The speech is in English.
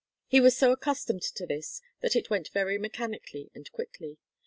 He was so accustomed to this that it went very mechanically and quickly.